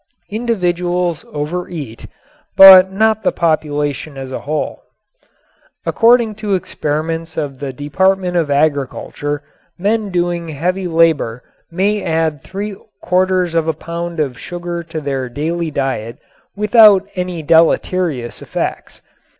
Individuals overeat, but not the population as a whole. According to experiments of the Department of Agriculture men doing heavy labor may add three quarters of a pound of sugar to their daily diet without any deleterious effects.